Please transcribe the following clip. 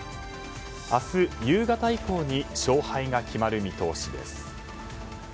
明日夕方以降に勝敗が決まる見通しです。